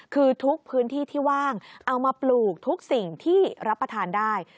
คือทุกพื้นที่ที่ว่างเอามาปลูกทุกสิ่งที่รับประทานได้